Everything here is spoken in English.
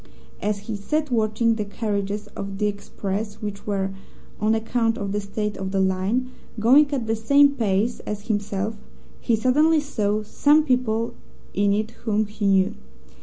"As he sat watching the carriages of the express which were (on account of the state of the line) going at the same pace as himself, he suddenly saw some people in it whom he knew.